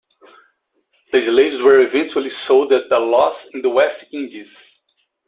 The slaves were eventually sold at a loss in the West Indies.